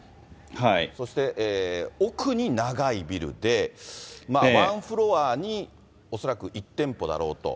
そして奥に長いビルで、ワンフロアに恐らく１店舗だろうと。